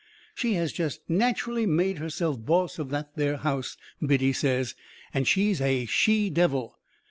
She has jest natcherally made herself boss of that there house, Biddy says, and she's a she devil.